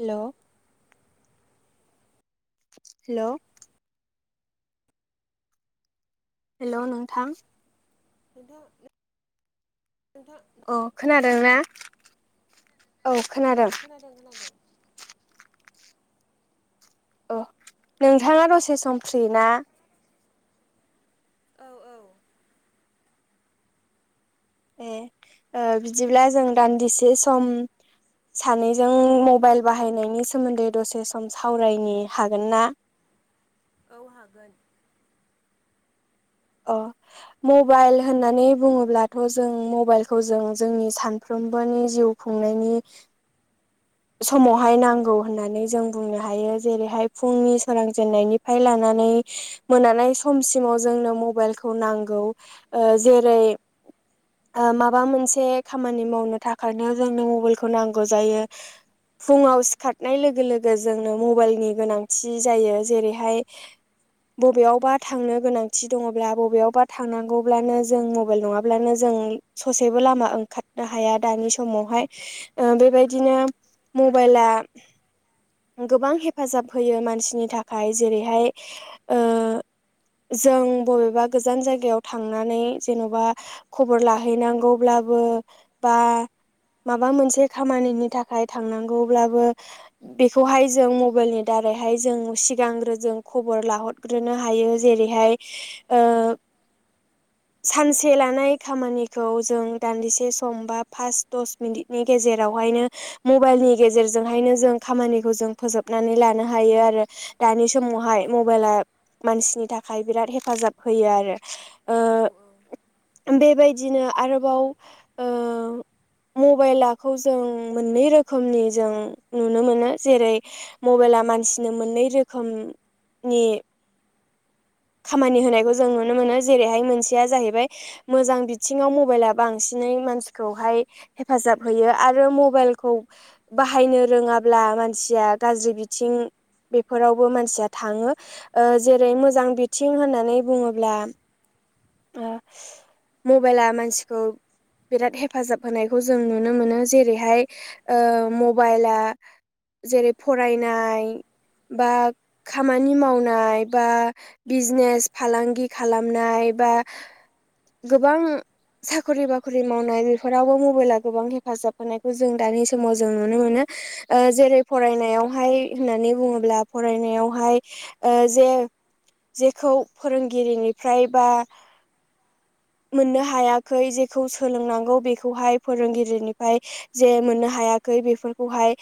हेल' hello hello नोंथां नोंथा नोंथां औ खोनादों ना औ खोनादों। ओं खोनादों। अ नोंथाङा दसे सम फ्रि ना? औ औ ए ओ बिदिब्ला जों दान्दिसे सम सानैजों मबाइल बाहायनायनि सोमोन्दै दसे सम सावरायनि हागोन ना? औ हागोन अ मबाइल होननानै बुङोब्लाथ' जों मबाइलखौ जों जोंनि सानफ्रोमबोनि जिउ खुंनायनि समावहाय नांगौ होननानै जों बुंनो हायो जेरैहाय फुंनि सोरां जेननायनिफ्राय लानानै मोनानाय समसिमाव जोंनो मबाइलखौ नांगौ जेरै माबा मोनसे खामानि मावनो थाखायनो जोंनो मबाइलखौ नांगौ जायो। फुङाव सिखारनाय लोगो लोगो जोंनो मबाइलनि गोनांथि जायो जेरैहाय बबेयावबा थांनो गोनांथि दङब्ला बबेयावबा थांनांगौब्लानो जों मबाइल नङाब्लानो जों ससेबो लामा ओंखारनो हाया दानि समावहाय ओ औ बेबायदिनो मबेला गोबां हेफाजाब होयो मानसिनि थाखाय जेरैहाय ओ जों बबेबा गोजान जायगायाव थांनानै जेन'बा खबर लाहैनांगौब्लाबो बा माबा मोनसे खामानिनि थाखाय थांनांगौब्लाबो बेखौहाय जों मबाइलनि दारैहाय जों सिगांग्रो जों खबर लाहर ग्रोनो हायो जेरैहाय ओ सानसे लानाय खामानिखौ जों दान्दिसे सम बा पास दस मिनिटनि गेजेरावहायनो मबाइलनि गेजेरजोंहायनो जों खामानिखौ जों फोजोबनानै लानो हायो आरो दानि औ समावहाय मबाइला मानसिनि थाखाय बिराद हेफाजाब होयो आरो औ ओ औ बेबायदिनो आरोबाव ओ मबाइलाखौ जों मोननै रोखोमनि जों नुनो मोनो जेरै मबाइला मानसिनो मोननै रोखोमनि खामानि होनायखौ जों नुनो मोनो जेरैहाय मोनसेया जाहैबाय मोजां बिथिङाव मबाइला बांसिनै मानसिखौहाय हेफाजाब होयो आरो मबाइलखौ बाहायनो रोङाब्ला मानसिया गाज्रि बिथिं बेफोरावबो मानसिया थाङो ओ जेरै मोजां बिथिं होननानै बुङोब्ला ओ मबाइला मानसिखौ बिराद हेफाजाब होनायखौ जों नुनो मोनो जेरैहाय ओ मबाइला जेरै फरायनाय बा खामानि मावनाय बा बिजिनेस फालांगि खालामनाय बा गोबां साखरि बाखरि मावनाय बेफोरावबो मबाइला गोबां हेफाजाब होनायखौ जों दानि समाव जों नुनो मोनो ओ जेरै फरायनायावहाय होननानै बुङोब्ला ओ फरायनायावहाय जे-जेखौ फोरोंगिरिनिफ्राय बा मोननो हायाखै जेखौ सोलोंनांगौ बेखौहाय फोरोंगिरिनिफ्राय जे मोननो हायाखै बेफोरखौहाय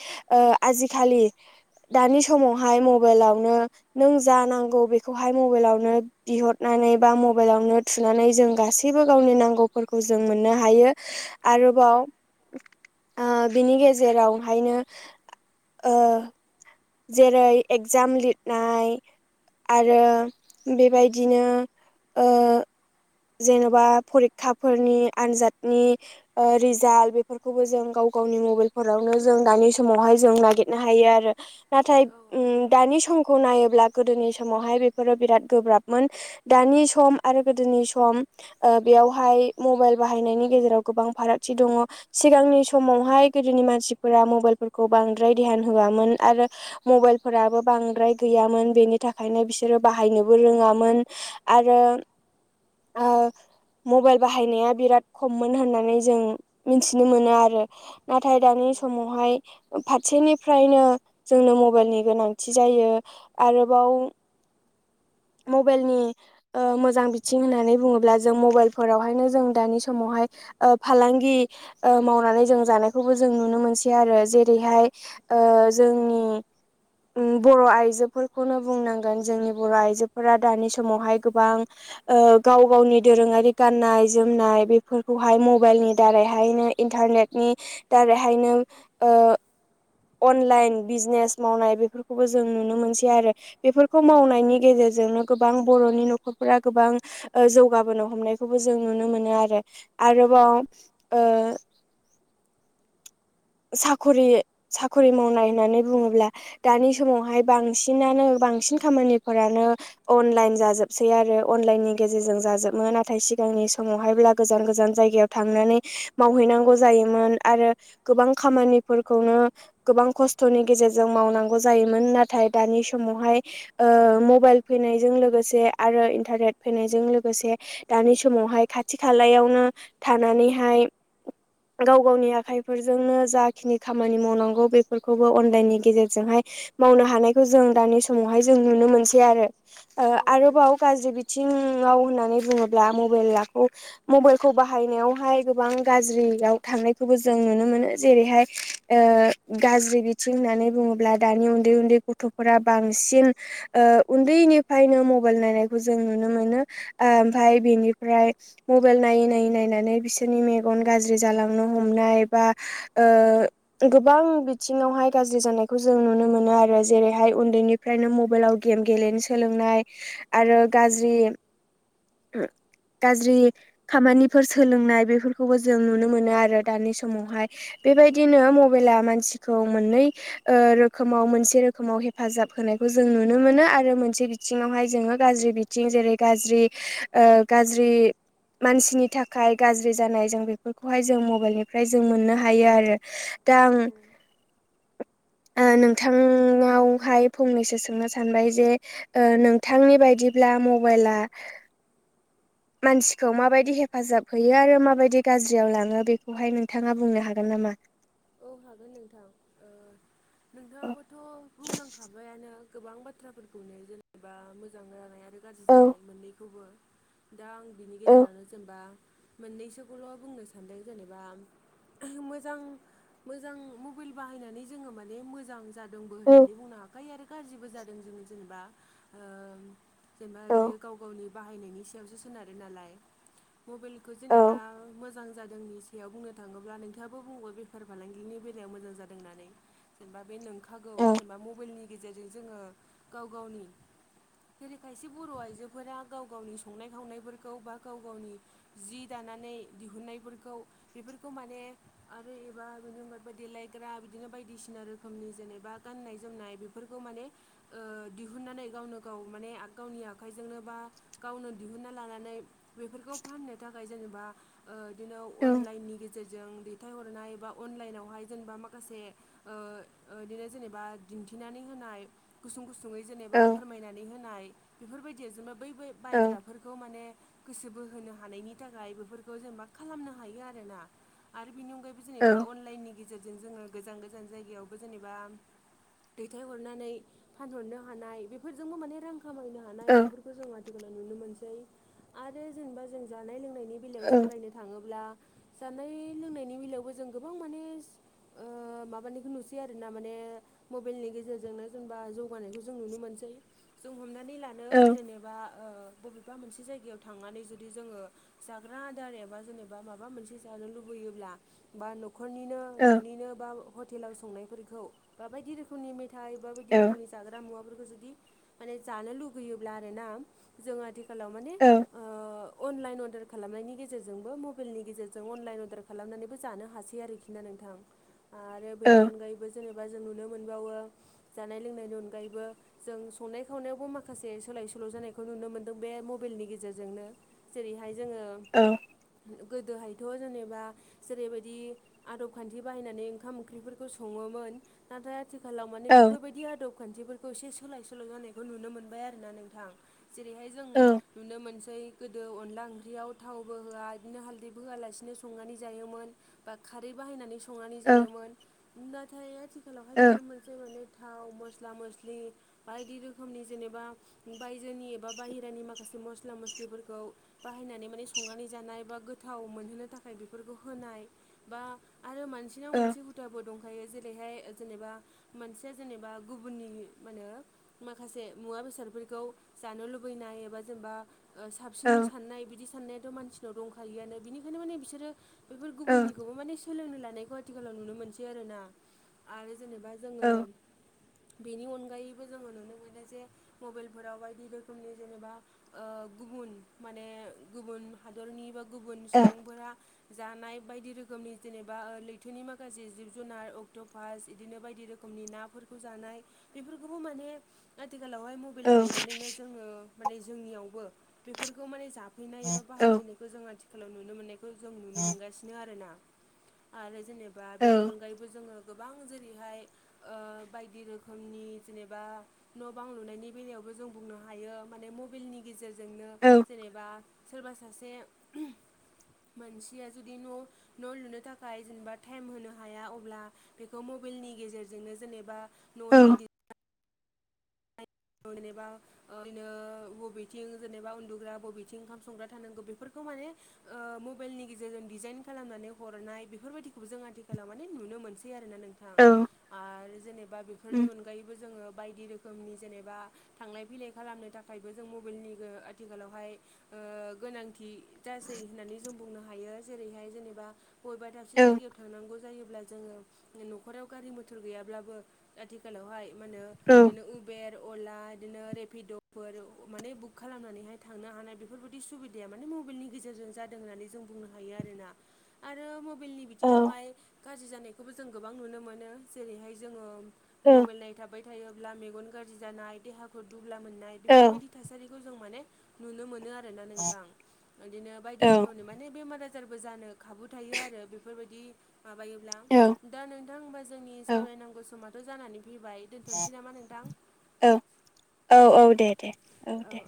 आजिखालि दानि समावहाय मबाइलावनो नों जा नांगौ बेखौहाय मबाइलावनो बिहरनानै बा म मबाइलावनो थुनानै जों गासैबो गावनि नांगौफोरखौ जों मोननो हायो आरोबाव ओ बिनि गेजेरावहायनो ओ जेरै एगजाम लिरनाय आरो बेबायदिनो ओ जेन'बा फरिखाफोरनि आनजादनि ओ रिजाल्ट बेफोरखौबो जों गाव गावनि मबाइलफोरावनो जों दानि समावहाय जों नागिट नो हायोआरो नाथाय औ उम दानि स खौ नायोब्ला गोदोनि समावहाय बेफोरो बिराद गोब्राबमोन दानि स सम आरो गोदोनि सम ओ बेयावहाय मबाइल बाहायनायनि गेजेराव गोबां फारागथि दं सिगांनि समावहाय गोदोनि मानसिफोरा मबाइलफोरखौ बांद्राय देहान होआमोन आरो मबाइलफोराबो बांद्राय गैयामोन बेनि थाखायनो बिसोरो बाहायनोबो रोङामोन आर आरो मबाइल बाहायनाया बिराद खममोन होननानै जों मिथिनो मोनो आरो नाथाय औ दानि समावहाय फारसेनिफ्रायनो जोंनो मबाइलनि गोनांथि जायो आरोबाव मबाइलनि मोजां बिथिं होननानै बुङोब्ला जों मबाइलफोरावहायनो जों दानि समावहाय फालांगि मावनानै जों जानायखौबो जों नुनो मोनसै आरो जेरैहाय - जोंनि बर' आइजोफोर खौनो बुंनांगोन जोंनि बर' आइजोफोरा दानि समावहाय गोबां गाव गावनि दोरोङारि गाननाय जोमनाय बेफोरखौहाय मबाइलनि दारैहायनो इन्टारनेटनि दारैहायनो ओ अनलाइन बिजनेस मावनाय बेफोरखौबो जों नुनो मोनसै आरो बेफोरखौ मावनायनि गेजेरजों- जजोंनो गोबां बर'नि न'खरफोरा गोबां जौगाबोनो हमनायखौबो जों नुनो मोनो आरो आरोबाव ओ साखरि साख'रि मावनाय होननानै बुङोब्ला दानि समावहाय बांसिनानो बांसिन खामानिफोरानो अनलाइन जाजोबसै आरो अनलाइननि गेजेरजों जाजोबो नाथाय सिगांनि समावहायब्ला गोजान गोजान जायगायाव थांनानै मावहैनांगौ जायोमोन आरो गोबां खामानिफोरखौनो गोबां खस्थ'नि गेजेरजों मावनांगौ जायोमोन नाथाय दानि समावहाय मबाइल फैनायजों लोगोसे आरो इन्टारनेट फैनायजों लोगोसे दानि समावहाय खाथि खालायावनो थानानैहाय गाव गावनि आखाय बेफोरजोंनो जाखिनि खामानि मावनांगौ बेफोरखौबो अनलाइननि गेजेरजोंहाय मावनो हानायखौ जों दानि समावहाय जों नुनो मोनसै आरो आरोबाव गाज्रि आथिङाव होननानै बुङोब्ला मबाइलाखौ मबाइलखौ बाहायनायावहाय गोबां गाज्रियाव थांनायखौबो जों जों नुनो मोनो जेरैहाय गाज्रि बिथिं होननानै बुङोब्ला दानि उन्दै उन्दै गथ'फोरा बांसिन उन्दैनिफ्रायनो मबाइल नायनायखौ जों नुनो मोनो ओमफफ्राय बेनिफ्राय मबाइल नायै नायै नायनानै बिसोरनि मेगन गाज्रि जालांनो हमनाय बा ओ गोबां बिथिङावहाय गाज्रि जानायखौ जों नुनो मोनो आरो जेरैहाय उन्दैनि मबाइलाव गेम गेलेनो सोलोंनाय आरो गाज्रि गाज्रि खामानिफोर सोलोंनाय बेफोरखौबो जों नुनो मोनो आरो दानि समावहाय औ बेबायदिनो मबाइला मानसि मोननै रोखोमाव मोनसे रोखोमाव हेफाजाब होनायखौ जों नुनो मोनो। नुनो मोनो आरो मोनसे बिथिङावहाय जोङो गाज्रि बिथिं जेरै गाज्रि ओ गाज्रि मानसिनि थाखाय गाज्रि जानाय जों बेफोरखौहाय जों मबाइलनि जों मोननो हायो आरो दा औ आं औ नोंथांावहाय फंनैसो सोंनो सानबाय जे नोंथांनि बायदिब्ला मबाइला- मानसिखौ माबायदि हेफाजाब होयो आरो माबायदि गाज्रियाव लाङो बेखौ बेहाय नोंथाङा बुंनो हागोन नामा? औ हागोन नोंथां नोंथाङाबोथ' बुंलांखाबायानो गोबां बाथ्राफोरखौनो जेनेबा मोजां जानाय आरो गाज्रि औ जानाय मोननैखौबो। दा आं बिनि औ गेजेरावनो जेनेबा मोननैसोखौल' बुंनो सानदों जेनेबा मोजां मोजां मबाइल बाहायनानै जोङो माने मोजां जादोंबो औ होननानै बुंनो हागोन। ओमफफ्राय आरो गाज्रिबो जादों जोङो जेनेबा ओ जेनेबा औ बियो गाव गावनि बाहायनायनि सायावसो सोनारो नालाय। मबाइलखौ औ जेनेबा मोजां जादोंनि सायाव बुंनो थाङोब्ला नोंथाङहाबो बुंबाय फार फालांगिनि बेलायाव मोजां जादों होननानै जेनेबा बे नंखागौ औ जेनेबा मबाइलनि गेजेरजों जोङो गाव गावनि जेरै खायसे बर' आइजोफोरा गाव गावनि संनाय खावनायफोरखौ बा गाव गावनि जि दानानै दिहुननायफोरखौ बेफोरखौ माने आरो ा बिदि देलायग्रा बिदिनो बायदिसिना रोखोमनि जेनेबा गाननाय जोमनाय बेफोरखौ माने ओ दिहुननानै गावनो गाव माने गावनि आखाइजोंनो बा गावनो दिहुनना लानानै बेफोरखौ फाननो थाखाय जेनेबा ओ बिदिनो औ अनलाइननि गेजेरजों दैथायहरनाय बा अनलाइनावहाय जेनेबा माखासे ओ ओ बिदिनो जेनेबा दिन्थिनानै होनाय गुसुं गुसुङै जेनेबा औ फोरमायनानै होनाय बेफोरबायदिया जेनेबा बै औ बायग्रा फोरखौ माने गोसो बोहोनो हानायनि थाखाय बेफोरखौ जेन मा खालामनो हायो आरोना आरो बिनि अनगायैबो जेनेबा औ अनलाइननि गेजेरजों जोङो गोजान गोजान जायगायावबो जेनेबा दैथायहरनानै फानहरनो हानाय बेफोरजोंबो माने रां खामायनो हानाय औ बेफोरखौ जों आथिखालाव नुनो मोनसै आरो जेनेबा जों जानाय लोंनायनि बेलायाव औ सावरायनो थाङोब्ला जानाय लोंनायनि बेलायावबो जों गोबां माने ओ माबानिखौ नुसै आरो ना माने मबाइलनि गेजेरजोंनो जेनेबा जौगानायखौ जों नुनो मोनसै जों हमनानै लानो औ जेनेबा ओ बबेबा मोनसे जायगायाव थांनानै जुदि जोङो जाग्रा आदार एबा जेनेबा माबा मोनसे जानो लुबैयोब्ला बा न'खरनिनो औ न'निनो बा हटेलाव संनायफोरखौ बा बायदि रोखोमनि मेथाइ बायदि रोखोमनि जाग्रा मुवाफोरखौ जुदि माने जानो लुबैयोब्ला आरोना जोंहादि खालामालाव माने औ ओ अनलाइन अर्डार खालामनायनि गेजेरजोंबो मबाइलनि गेजेरजों अनलाइन अर्डार खालामनानैबो जानो हासै आरोखि ना नोंथां आरो बेनि अनगायैबो जेनेबा जों नुनो मोनबावो जानाय लोंनायनि अनगायैबो जों संनाय खावनायावबो माखासे सोलाय सोल' जानायखौ नुनो मोन्दों बे मबाइलनि गेजेरजोंनो जेरैहाय जोङो औ गोदोहायथ' जेनेबा जेरैबायदि आदब खान्थि बाहायनानै ओंखाम ओंख्रिफोरखौ सङोमोन नाथाय आथिखालाव माने बेफोरबायदि आदब खान्थिफोरखौ एसे सोलाय सोल' जानायखौ नुनो मोनबाय आरोना नोंथां जेरैहाय जों नुनो मोनसै गोदो अनदला ओंख्रियाव थावबो होआ बिदिनो हालदैबो होआलासेनो संनानै जायोमोन बा खारै बाहायनानै संनानै जायोमोन नाथाय आथिखालावहाय औ नुनो मोनो [unintelligible] थाव मस्ला मस्लि बायदि रोखोमनि जेनेबा बायजोनि एबा बाहेरानि माखासे मस्ला मस्लिफोरखौ बाहायनानै माने संनानै जानाय बा गोथाव मोनहोनो थाखाय फोरखौ होनाय बा आरो मानसिनाव मोनसे हुदाबो दं खायो जेरैहाय जेनेबा मोनसेया जेनेबा गुबुननि माहोनो माखासे मुवा बेसादफोरखौ जानो लुबैनाय एबा जेनेबा ओ साबसिन साननाय बिदि साननायाथ' मानसिनाव दंखालियानो बिनिखायनो माने बिसोरो बेफोर गुबुननिखौबो माने सोलोंनो लानायखौ आथिखालाव नुनो मोनसै आरोना आरो जेनेबा जोङो बेनि अनगायैबो जोङो नुनो मोनो जे मबाइलफोराव बायदि रोखोमनि जेनेबा ओ गुबुन माने गुबुन हादरनि बा गुबुन सुबुंफोरा जानाय बायदि रोखोमनि जेनेबा ओ लैथोनि माखासे जिब-जुनार अक्ट'फासट बिदिनो बायदि रोखोमनि ना फोरखौ जानाय बेफोरखौबो माने आथिखालावहाय म बाइलाव नुनानैनो जोङो माने जोंनियावबो बेफोरखौ माने जाफैनाय एबा बाहायफैनाय खौ जों आथिखालाव नुनो मोननायखौ जों नुनो मोनगासिनो आरोना आरो जेनेबा बेनि अनगायैबो जोङो गोबां जेरैहाय बायदि रोखोमनि जेनेबा न' बां लुनायनि बेलायावबो जों बुंनो हायो माने मबाइलनि गेजेरजों जोंनो जेनेबा सोरबा सासे मानसिया जुदि न' न' लुनो थाखाय जेनेबा टाइम होनो हाया अब्ला बेखौ मबाइलनि गेजेरजोंनो जेनेबा न'नि दि जेनेबा ओरैनो बबेथिं जेनेबा उन्दुग्रा बबेथिं ओंखाम संग्रा थानांगौ बेफोरखौ माने मबाइलनि गेजेरजों डिजाइन खालामनानै हरनाय बेफोरबायाददिखौबो जों आथिखालाव माने नुनो मोनसै आरोना नोंथां आरो जेनेबा बेफोरनि अनगायैबो जोङो बायदि रोखोमनि जेनेबा थांलाय फैलाय खालामनो थाखायबो जों मबाइलनि गो आथिखालावहाय गोनांथि जासै होननानै जों बुंनो हायो जेरैहाय जेनेबा बबेबा दाबसे जायगायाव थांनांगौ जायोब्ला जोङो न'खराव गारि मथर गैयाब्लाबो आथिखालावहाय मा होनो बिदिनो उ उपेर, अला, बिदिनो रेपिड'फोर माने बुक खालामनानैहाय थांनो हानाय बेफोरबायाददि सुबिदाया माने मबाइलनि गेजेरजों जादों होननानै जों बुंनो हायो आरोना आरो म मबेलनि बिथिङावहाय गाज्रि जानायखौबो जों गोबां नुनो मोनो जेरैहाय जोङो मबाइल नायै थाबाय थायोब्ला मेगन गाज्रि जानाय देहाखौ दुब्ला मोननाय बेफोरबायदि थासखौ जों माने नुनो मोनो आरोना नोंथां। बिदिनो बायदि रोखोमनि माने बेमार आजार आसारबो जानो खाबु थायो आरो बेफोरबायदि माबायोब्ला। दा नोंथां होनबा जोंनि सावरायनांगौ समथ' जानानै फैबाय। दोनथ'नोसै नामा नोंथां? औ- औ -औ दे- दे औ दे।